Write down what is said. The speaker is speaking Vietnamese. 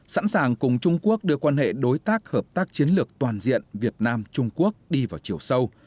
sẵn sàng cùng trung quốc đưa quan hệ đối tác hợp tác chiến lược toàn diện việt nam trung quốc đi vào chiều sâu